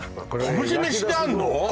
昆布締めしてあるの？